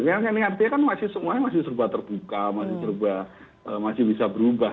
betul betul nah itu yang diartikan kan semuanya masih serba terbuka masih serba masih bisa berubah